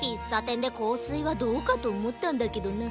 んでこうすいはどうかとおもったんだけどな。